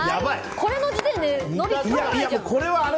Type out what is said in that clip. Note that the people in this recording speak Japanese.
これの時点でのり使わないじゃん。